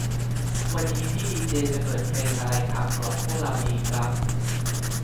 วันนี้พี่ดีเจจะเปิดเพลงอะไรขับกล่อมพวกเราดีครับ